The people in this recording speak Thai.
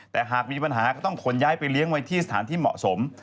แต่หากมีปัญหาก็ต้องขนย้ายไปเลี้ยงไว้ที่สถานที่เหมาะสม